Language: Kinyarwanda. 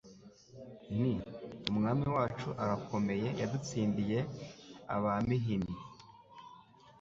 Nti: Umwami wacu arakomeyeYadutsindiye Ab'imihini